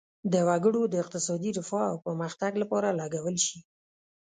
د وګړو د اقتصادي رفاه او پرمختګ لپاره لګول شي.